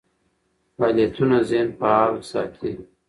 فعالیتونه ذهن فعال ساتي.